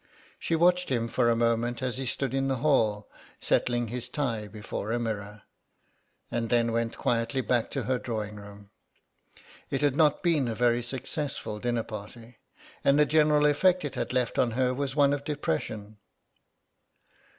She watched him for a moment as he stood in the hall, settling his tie before a mirror, and then went quietly back to her drawing room. It had not been a very successful dinner party, and the general effect it had left on her was one of depression.